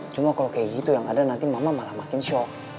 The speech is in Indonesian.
cuma kalau kayak gitu yang ada nanti mama malah makin shock